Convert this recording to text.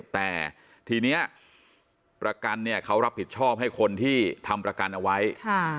แต่ทีเนี้ยประกันเนี่ยเขารับผิดชอบให้คนที่ทำประกันเอาไว้ค่ะ